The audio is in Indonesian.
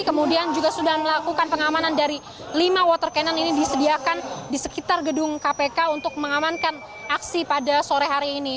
kemudian juga sudah melakukan pengamanan dari lima water cannon ini disediakan di sekitar gedung kpk untuk mengamankan aksi pada sore hari ini